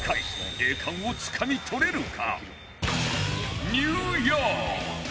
栄冠をつかみ取れるか？